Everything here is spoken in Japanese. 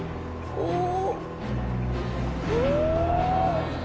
おお！